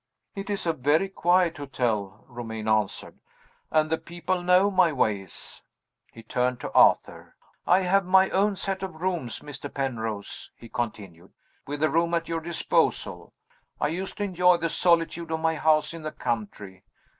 "It is a very quiet hotel," Romayne answered, "and the people know my ways." He turned to Arthur. "I have my own set of rooms, Mr. Penrose," he continued "with a room at your disposal. I used to enjoy the solitude of my house in the country.